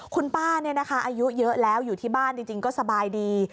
คุณป้าอายุเยอะแล้วอยู่ที่บ้านจริงก็สบายดี